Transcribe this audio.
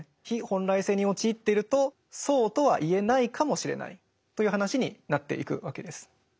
非本来性に陥っているとそうとは言えないかもしれないという話になっていくわけです。